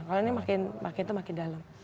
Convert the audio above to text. kalau ini makin tuh makin dalam